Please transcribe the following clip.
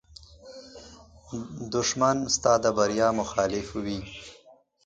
دښمن ستا د بریا مخالف وي